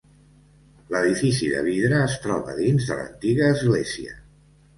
L'edifici de vidre es troba dins de l'antiga església.